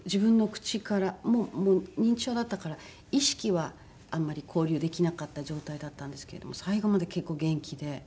もう認知症だったから意識はあんまり交流できなかった状態だったんですけれども最期まで結構元気で。